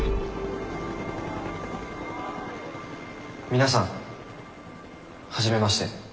皆さん初めまして。